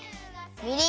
みりん。